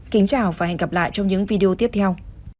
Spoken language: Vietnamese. kính chào và hẹn gặp lại trong những video tiếp theo